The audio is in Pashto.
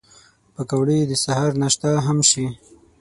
پکورې د سهر ناشته هم شي